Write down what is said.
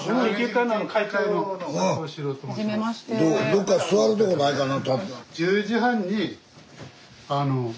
どっか座るとこないかな。